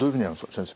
先生。